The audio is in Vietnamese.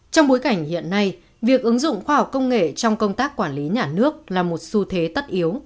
trong bối cảnh hiện nay việc ứng dụng khoa học công nghệ trong công tác quản lý nhà nước là một xu thế tất yếu